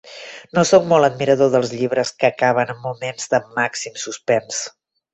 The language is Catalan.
No soc molt admirador dels llibres que acaben amb moments de màxim suspens.